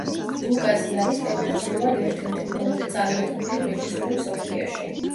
ლუკასი არის კომერციულად ერთ-ერთი ყველაზე წარმატებული რეჟისორი მსოფლიოში.